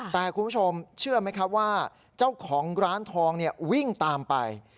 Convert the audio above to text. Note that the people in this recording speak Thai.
แต่คุณผู้ชมเชื่อไหมครับว่าเจ้าของร้านทองวิ่งตามไป